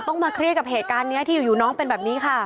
มาเครียดกับเหตุการณ์นี้ที่อยู่น้องเป็นแบบนี้ค่ะ